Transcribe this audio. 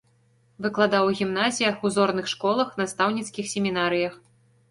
Выкладаў у гімназіях, узорных школах, настаўніцкіх семінарыях.